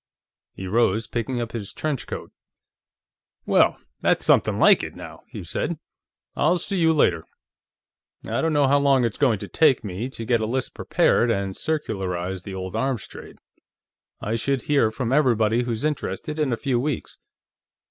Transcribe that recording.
He rose, picking up his trench coat. "Well! That's something like it, now," he said. "I'll see you later; I don't know how long it's going to take me to get a list prepared, and circularize the old arms trade. I should hear from everybody who's interested in a few weeks.